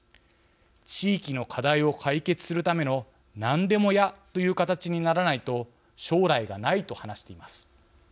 地域の課題を解決するための何でも屋という形にならないと将来がない」と話しています。